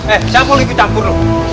eh siapa mau ikut campur lo